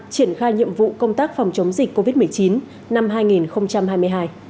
triển khai nhiệm vụ công tác phòng chống dịch covid một mươi chín năm hai nghìn hai mươi hai